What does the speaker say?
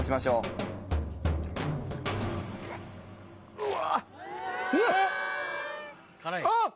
うわ！